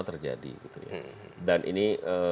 terjadi dan ini